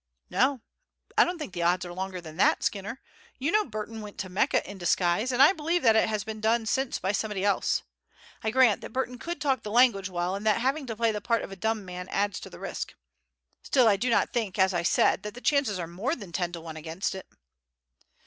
"No; I don't think the odds are longer than that, Skinner. You know Burton went to Mecca in disguise, and I believe that it has been done since by somebody else. I grant that Burton could talk the language well, and that having to play the part of a dumb man adds to the risk. Still, I do not think, as I said, that the chances are more than ten to one against it."